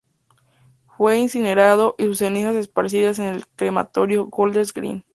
Fue incinerado, y sus cenizas esparcidas en el Crematorio Golders Green.